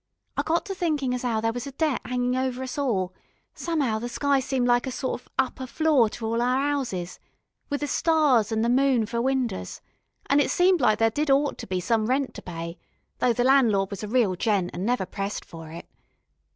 I got to thinkin' as 'ow there was a debt 'anging over us all, some'ow the sky seemed like a sort of upper floor to all our 'ouses, with the stars an' the moon for windows, an' it seemed like as if there did oughter be some rent to pay, though the Landlord was a reel gent and never pressed for it.